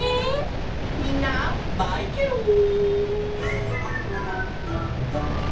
みんなバイケロン！